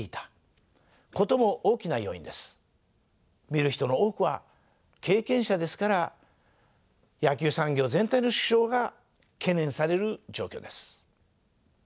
みる人の多くは経験者ですから野球産業全体の縮小が懸念される状況です。